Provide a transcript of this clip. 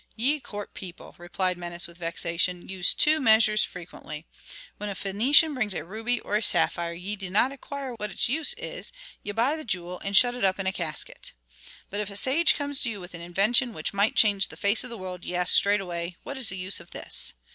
"Ye court people," replied Menes with vexation, "use two measures frequently. When a Phœnician brings a ruby or a sapphire ye do not inquire what its use is; ye buy the jewel and shut it up in a casket. But if a sage comes to you with an invention which might change the face of the world, ye ask straightway: 'What is the use of this?'